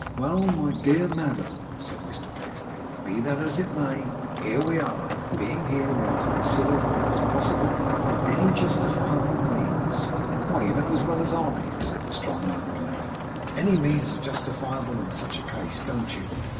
'Well, my dear madam!' said Mr Pecksniff. 'Be that as it may, here we are; and being here, we are to consider whether it is possible by any justifiable means ' 'Why, you know as well as I,' said the strong minded lady, 'that any means are justifiable in such a case, don't you?